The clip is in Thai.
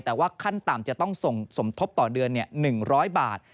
แต่ว่าขั้นต่ำจะต้องส่งสมทบต่อเดือน๑๐๐บาท